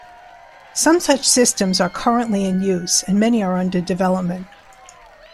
Some such systems are currently in use, and many are under development.